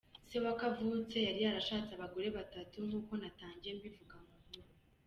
Se wa Kavutse yari yarashatse abagore batatu nk’uko natangiye mbivuga mu nkuru.